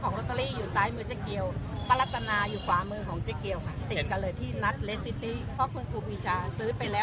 ให้ครูพิชาเลยหรอคะใช่ค่ะใช่เห็นเลขด้วยใช่ไหมคะ